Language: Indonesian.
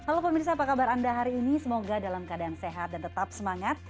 halo pemirsa apa kabar anda hari ini semoga dalam keadaan sehat dan tetap semangat